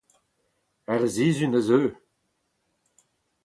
er sizhun a zeu